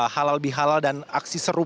halal bihalal dan aksi seru